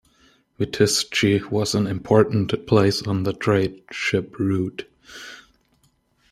Mytishchi was an important place on the trade ship route.